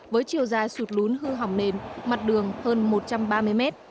với chiều dài sụt lún hư hỏng nền mặt đường hơn một trăm ba mươi mét